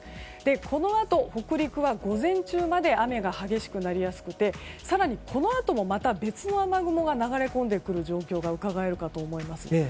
このあと、北陸は午前中まで雨が激しくなりやすくなって更にこのあとも、また別の雨雲が流れ込んでくる状況がうかがえるかと思います。